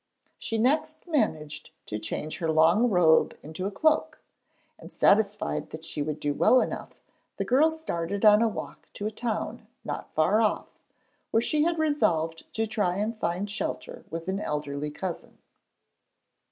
She next managed to change her long robe into a cloak, and satisfied that she would do well enough, the girl started on a walk to a town not far off, where she had resolved to try and find shelter with an elderly cousin.